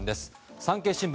産経新聞